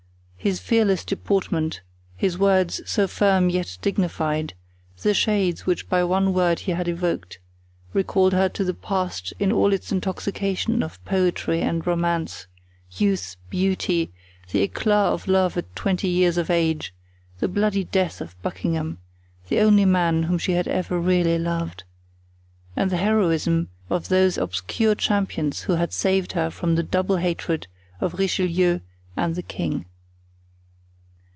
His fearless deportment, his words, so firm, yet dignified, the shades which by one word he had evoked, recalled to her the past in all its intoxication of poetry and romance, youth, beauty, the eclat of love at twenty years of age, the bloody death of Buckingham, the only man whom she had ever really loved, and the heroism of those obscure champions who had saved her from the double hatred of Richelieu and the king.